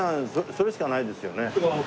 それしかないですよね？